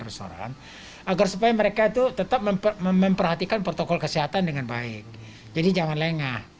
besaran agar supaya mereka itu tetap memperhatikan protokol kesehatan dengan baik jadi jangan lengah